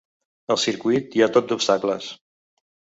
Al circuit hi ha tot d’obstacles.